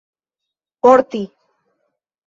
porti